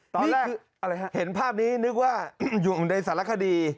ตอนนี้เห็นภาพนี้นึกว่าอยู่ในสารคดี